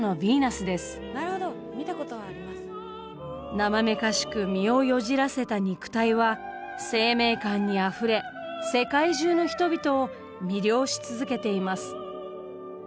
なまめかしく身をよじらせた肉体は生命感にあふれ世界中の人々を魅了し続けています。